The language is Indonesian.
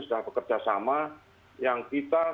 sudah bekerjasama yang kita